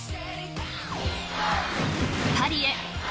［パリへ！